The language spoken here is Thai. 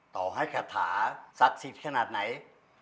ต่อให้คาถาศักดิ์สิทธิ์ขนาดไหน